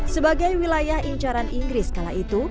sebagai wilayah incaran inggris kala itu